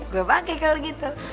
gue pake kalau gitu